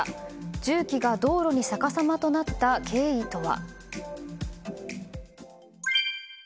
重機が道路にさかさまとなった経緯とは？